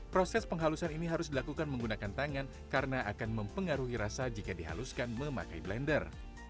proses penghalusan ini harus dilakukan menggunakan tangan karena akan mempengaruhi rasa jika dihaluskan memakai blender